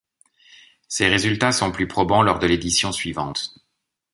Ses résultats sont plus probants lors de l'édition suivante.